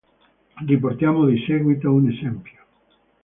Riportiamo di seguito un esempio.